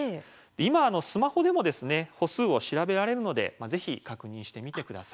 今スマホでも歩数を調べられるのでぜひ確認してみてください。